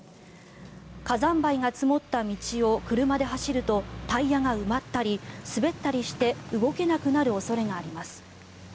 火山灰が積もった道を車で走るとタイヤが埋まったり滑ったりして動けなくなる恐れがあります。